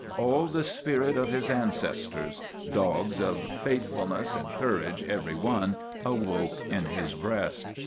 All the spirit of his ancestors dogs of faithfulness and courage every one awoke in his breast.